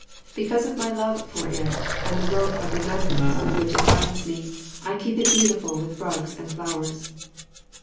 Because of my love for it and the rope of remembrance with which it binds me, I keep it beautiful with rugs and flowers.